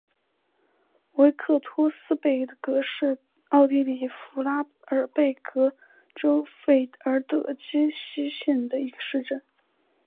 维克托斯贝格是奥地利福拉尔贝格州费尔德基希县的一个市镇。